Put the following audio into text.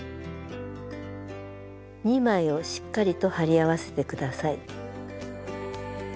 ２枚をしっかりと貼り合わせて下さい。